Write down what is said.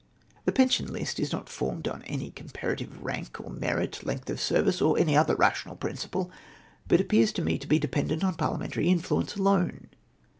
" The pension list is not formed on any comparative rank or merit, length of service, or other rational principle, but appears to me to be dependent on parliamentary influence alone.